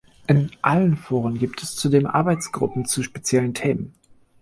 In allen Foren gibt es zudem Arbeitsgruppen zu speziellen Themen.